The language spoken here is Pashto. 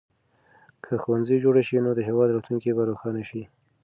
که ښوونځي جوړ شي نو د هېواد راتلونکی به روښانه شي.